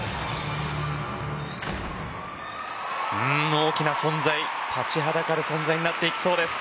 大きな存在立ちはだかる存在になっていきそうです。